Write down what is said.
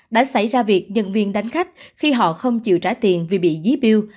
đã xảy ra việc nhân viên đánh khách khi họ không chịu trả tiền vì bị dí biêu